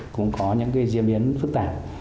cũng có những diễn biến phức tạp